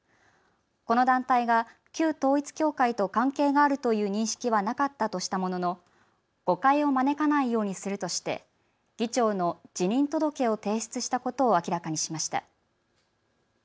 この団体が旧統一教会と関係があるという認識はなかったとしたものの誤解を招かないようにするとして議長の辞任届を提出したことを明らかにしました。